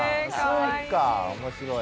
そっか面白い。